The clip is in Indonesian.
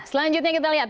selanjutnya kita lihat